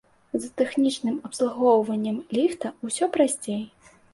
З тэхнічным абслугоўваннем ліфта усё прасцей.